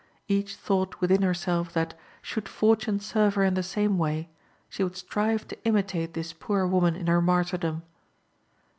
Each thought within herself that, should fortune serve her in the same way, she would strive to imitate this poor woman in her martyrdom.